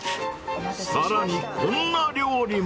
さらに、こんな料理も。